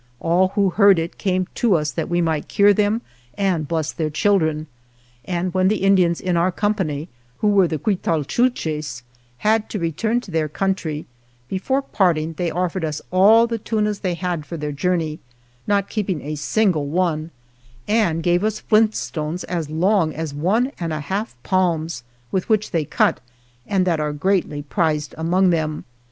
All who heard it came to us that we might cure them and bless their children, and when the Indians in our company (who were the Cultal chulches) had to return to their country, be fore parting they offered us all the tunas they had for their journey, not keeping a single one, and gave us flint stones as long as one and a half palms, with which they cut 107 THE JOURNEY OF and that are greatly prized among them.